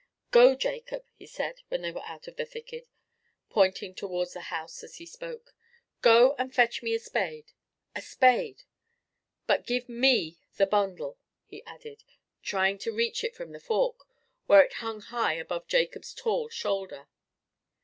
"Go, Jacob," he said, when they were out of the thicket—pointing towards the house as he spoke; "go and fetch me a spade—a spade. But give me the bundle," he added, trying to reach it from the fork, where it hung high above Jacob's tall shoulder.